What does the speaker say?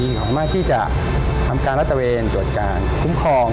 สามารถที่จะทำการรัฐเวนตรวจการคุ้มครอง